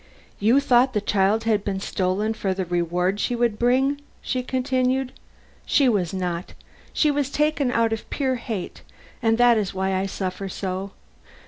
"You thought the child had been stolen for the reward she would bring?" she continued. "She was not; she was taken out of pure hate, and that is why I suffer so.